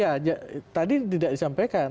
ya tadi tidak disampaikan